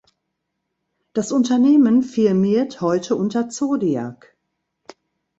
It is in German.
Das Unternehmen firmiert heute unter Zodiac.